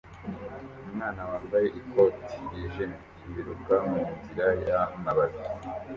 Umwana wambaye ikoti ryijimye yiruka munzira yamababi